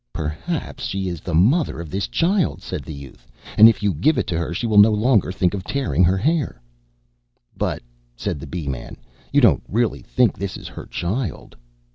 "Perhaps she is the mother of this child," said the Youth, "and if you give it to her she will no longer think of tearing her hair." "But," said the Bee man, "you don't really think this is her child?"